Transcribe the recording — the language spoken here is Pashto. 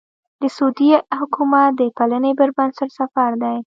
د سعودي حکومت د بلنې پر بنسټ سفر دی.